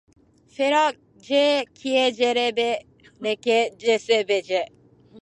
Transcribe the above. ふぇ ｒｖｆｒｖｊ きえ ｖ へ ｒｊｃｂ れ ｌｈｃ れ ｖ け ｒｊ せ ｒｋｖ じぇ ｓ